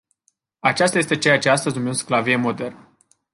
Aceasta este ceea ce astăzi numim sclavie modernă.